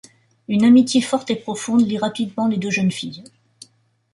Une amitié forte et profonde lie rapidement les deux jeunes filles.